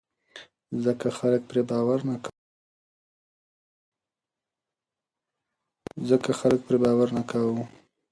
ځکه خلک پرې باور نه کاوه.